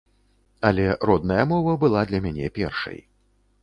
Але родная мова была для мяне першай.